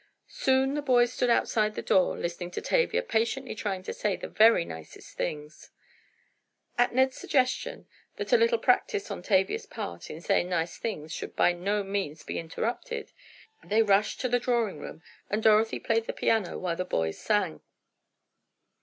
Soon the boys stood outside the door listening to Tavia patiently trying to say the very nicest things! At Ned's suggestion, that a little practice on Tavia's part, in saying nice things, should by no means be interrupted, they rushed to the drawing room, and Dorothy played the piano while the boys sang.